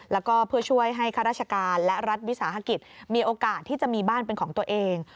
แล้วก็เพื่อช่วยให้ข้าราชการและรัฐวิสาหกิจมีโอกาสที่จะมีบ้านเป็นของตัวเอง